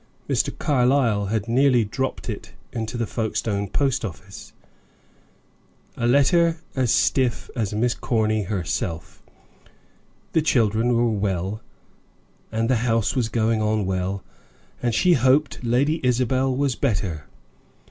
Mr. Carlyle had nearly dropped it into the Folkestone post office. A letter as stiff as Miss Corny herself. The children were well, and the house was going on well, and she hoped Lady Isabel was better.